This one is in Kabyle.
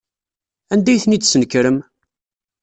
Anda ay ten-id-tesnekrem?